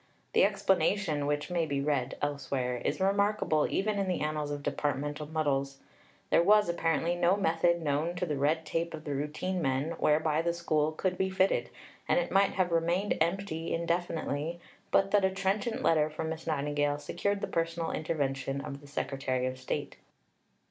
The explanation, which may be read elsewhere, is remarkable even in the annals of departmental muddles. There was, apparently, no method known to the red tape of the routine men whereby the School could be fitted, and it might have remained empty indefinitely, but that a trenchant letter from Miss Nightingale secured the personal intervention of the Secretary of State.